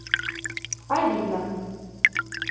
Алина